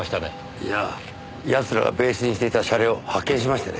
いやあ奴らがベースにしていた車両を発見しましてね。